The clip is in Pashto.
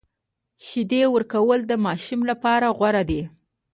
شیدې ورکول د ماشوم لپاره غوره دي۔